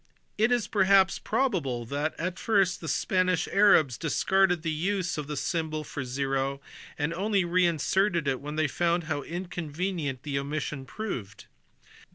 It is perhaps probable that at first the Spanish Arabs discarded the use of the symbol for zero and only re inserted it when they found how inconvenient the omission proved.